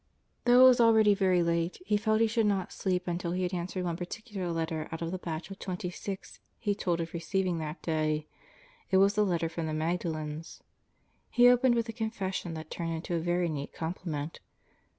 ... Though it was already very late, he felt he should not sleep until he had answered one particular letter out of the batch of twenty six he told of receiving that day it was the letter from the Magdalens. He opened with a confession that turned into a very neat compliment.